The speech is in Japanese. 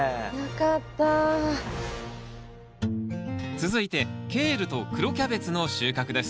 続いてケールと黒キャベツの収穫です